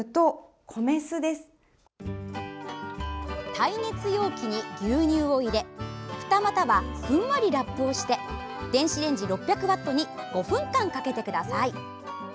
耐熱容器に牛乳を入れふたまたは、ふんわりラップをして電子レンジ６００ワットに５分間かけてください。